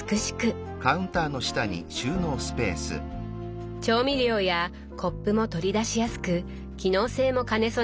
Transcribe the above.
調味料やコップも取り出しやすく機能性も兼ね備えています。